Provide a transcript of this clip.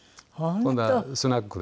今度はスナックで。